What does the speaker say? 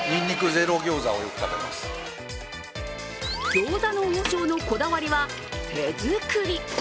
餃子の王将のこだわりは、手作り。